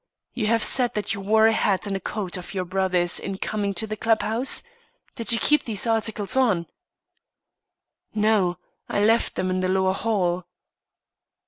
"You have said that you wore a hat and coat of your brother's in coming to the club house? Did you keep these articles on?" "No; I left them in the lower hall."